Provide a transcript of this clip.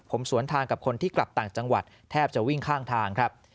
ผมสวนทางกับคนที่กลับต่างจังหวัดแทบจะวิ่งข้างทางครับ